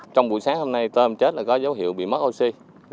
trong buổi sáng hôm nay tôm chết là có dấu hiệu bị mắc oxy